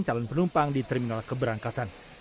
calon penumpang di terminal keberangkatan